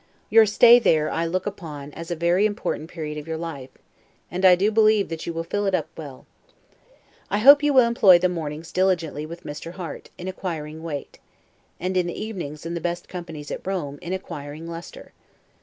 Your stay there I look upon as a very important period of your life; and I do believe that you will fill it up well. I hope you will employ the mornings diligently with Mr. Harte, in acquiring weight; and the evenings in the best companies at Rome, in acquiring lustre.